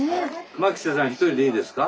牧瀬さん１人でいいですか？